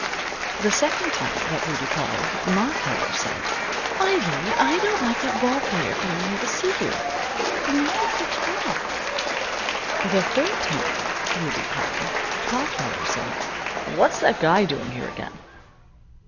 The second time that Rudie called, Ma Keller said: "Ivy, I don't like that ball player coming here to see you. The neighbors'll talk." The third time Rudie called, Pa Keller said: "What's that guy doing here again?"